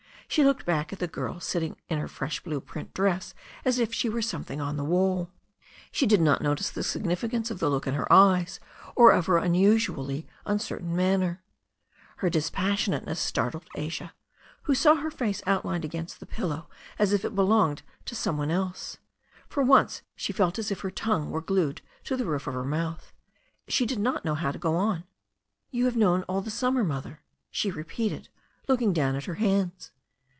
She looked back at the girl sitting in her fresh blue print dress as if she were something on the wall. She did not notice the significance of the look in her eyes or of her unusually uncertain manner. Her dispassionateness startled Asia, who saw her face outlined against the pillow as if it belonged to some one eUe. 394 THE STORY OF A NEW ZEALAND RIVER For once she felt as if her tongue were glued to the roof of her mouth. She did not know how to go on. "You have known all the stunmer, Mother/' she repeated, looking down at her hands.